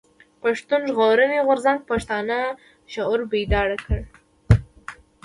پښتون ژغورني غورځنګ پښتانه شعوري بيدار کړل.